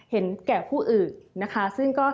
เห็นแก่ผู้อื่น